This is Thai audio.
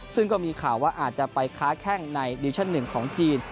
ซึ่งก็มีข่าวว่าอาจจะไปค้าแข้งในดิวิชั่น๑ของจีน